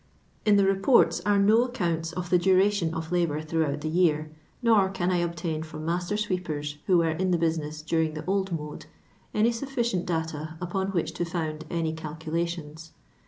In the Reports are no accounts of the duration of labour throughout the year, nor con I obtain from master sweepers, who were in the business during the old mode, any sufficient data upon which to found any cnlcuJMtions.